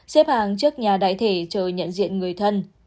xếp hàng trước nhà đại thể chờ nhận diện người thân